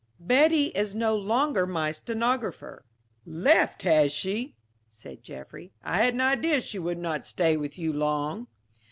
"Betty is no longer my stenographer." "Left, has she?" said Jaffry. "I had an idea she would not stay with you long."